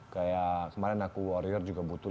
kayak kemarin aku warrior juga butuh